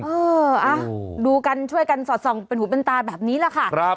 เออดูกันช่วยกันสอดส่องเป็นหูเป็นตาแบบนี้แหละค่ะ